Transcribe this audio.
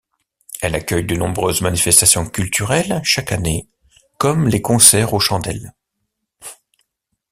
Elle accueille de nombreuses manifestations culturelles chaque année, comme les concerts aux chandelles.